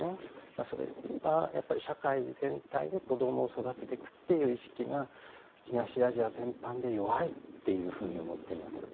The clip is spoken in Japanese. それは社会全体で子供を育てていく意識が東アジア全般で弱いというふうに思っています。